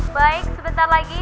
baik sebentar lagi